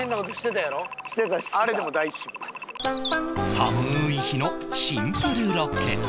寒い日のシンプルロケ